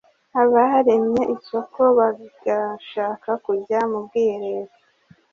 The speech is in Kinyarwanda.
Abaremye isoko bagashaka kujya mu bwiherero